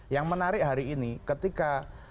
yang menarik hari ini ketika